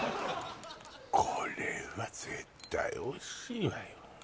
これは絶対おいしいわよ